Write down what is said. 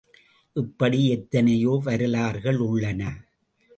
இப்படி எத்தனையோ வரலாறுகள் உள்ளன.